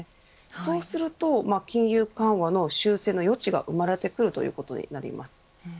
そうすると金融緩和の修正の余地が生まれてくるということになります。